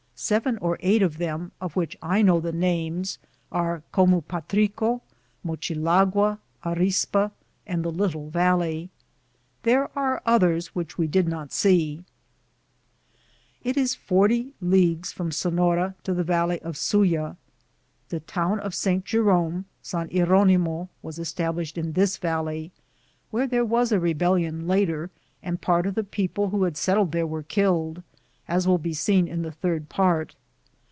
Seven or eight of them, of which I know the names, are Comu patrico, Mochilagua, Arispa, and the Little Valley. There are others which we did not see. It is 40 leagues from Sefiora to the valley of Suya. The town of Saint Jerome (San. Hieronimo) was established in this valley, where there was a rebellion later, and part am Google THE JOURNEY OP OORONADO of the people who had settled there were killed, as will be seen in the third part.